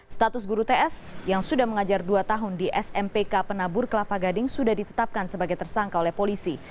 status guru ts yang sudah mengajar dua tahun di smpk penabur kelapa gading sudah ditetapkan sebagai tersangka oleh polisi